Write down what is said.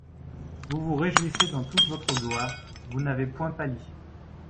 Vous vous réjouissez dans toute votre gloire ;Vous n’avez point pâli.